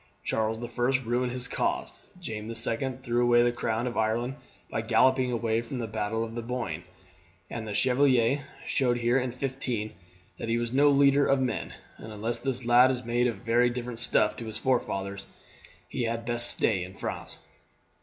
Charles the First ruined his cause; James the Second threw away the crown of Ireland by galloping away from the battle of the Boyne; the Chevalier showed here in '15 that he was no leader of men; and unless this lad is made of very different stuff to his forefathers he had best stay in France."